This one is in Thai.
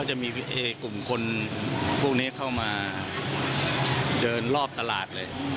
จะมีกลุ่มคนพวกนี้เข้ามาเดินรอบตลาดเลย